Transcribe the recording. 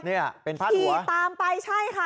เนี่ยเป็นพัดหัวขี่ตามไปใช่ค่ะ